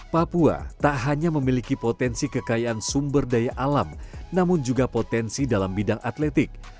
papua tak hanya memiliki potensi kekayaan sumber daya alam namun juga potensi dalam bidang atletik